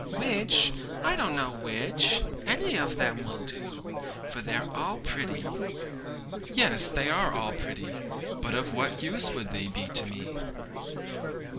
'Which? I don't know which; any of them will do, for they are all pretty.' 'Yes, they are all pretty; but of what use would they be to me?'